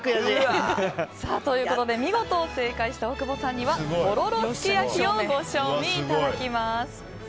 ということで見事正解した大久保さんにはとろろすき焼きをご賞味いただきます。